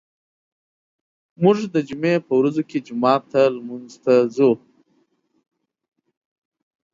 موږ د جمعې په ورځو کې جومات ته لمونځ ته ځو.